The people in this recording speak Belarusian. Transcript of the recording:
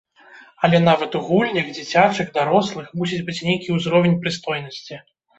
Але нават у гульнях, дзіцячых, дарослых, мусіць быць нейкі ўзровень прыстойнасці.